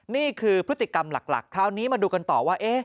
นี่คือพฤติกรรมหลักคราวนี้มาดูกันต่อว่า